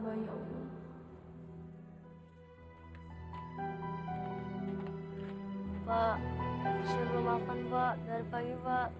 hai untuk menjemput zikir yang halal dan baru itu anak anak hamba yaallah